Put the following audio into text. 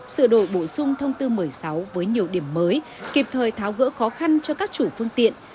sửa đổi bổ sung thông tư một mươi sáu với nhiều điểm mới kịp thời tháo gỡ khó khăn cho các chủ phương tiện